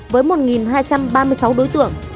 với một hai trăm ba mươi sáu đối tượng